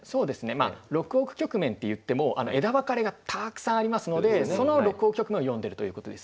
まあ６億局面といっても枝分かれがたくさんありますのでその６億局面を読んでるということです。